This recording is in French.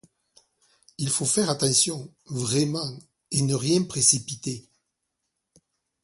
Il faut faire attention, vraiment, et ne rien précipiter.